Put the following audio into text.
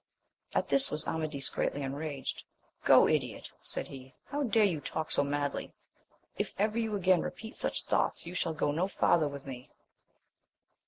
At this was Amadis greatly enraged : Go, idiot ! said he, how dare you talk so madly? if ever you again repeat such thoughts, you shall go no farther with me.